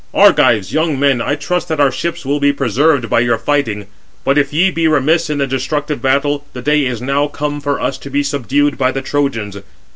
Argives, young men, I trust that our ships will be preserved by your fighting; but if ye be remiss in the destructive battle, the day is now come [for us] to be subdued by the Trojans.